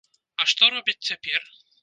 А што робяць цяпер?